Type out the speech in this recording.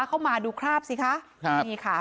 เข้ามาดูคราบสิคะ